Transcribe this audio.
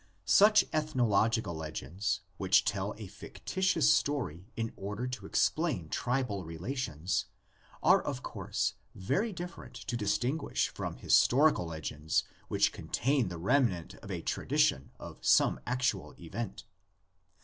Such ethnological legends, which tell a fictitious story in order to explain tribal relations, are of course very difficult to distinguish from historical legends which contain the remnant of a tradition of some actual event.